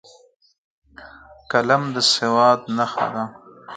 قلم د سواد نښه ده